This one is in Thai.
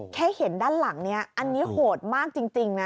แค่เห็นด้านหลังนี้อันนี้โหดมากจริงนะ